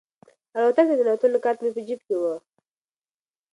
الوتکې ته د ننوتلو کارت مې په جیب کې و.